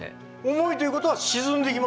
重いということは沈んでいきますよね